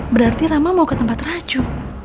berarti rama mau ke tempat racu